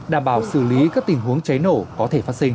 đảm bảo xử lý các tình huống cháy nổ có thể phát sinh